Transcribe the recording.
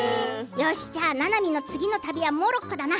よしじゃあななみの次の旅はモロッコだな。